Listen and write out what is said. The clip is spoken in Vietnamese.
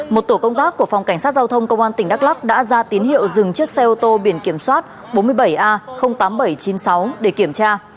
một tổ công tác của phòng cảnh sát giao thông công an tỉnh đắk lắc đã ra tín hiệu dừng chiếc xe ô tô biển kiểm soát bốn mươi bảy a tám nghìn bảy trăm chín mươi sáu để kiểm tra